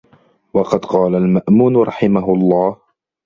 وَقَدْ قَالَ الْمَأْمُونُ رَحِمَهُ اللَّهُ